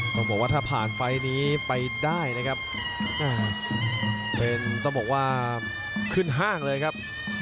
ต้องบอกว่าถ้าผ่านไฟล์นี้ไปได้นะครับเป็นต้องบอกว่าขึ้นห้างเลยครับ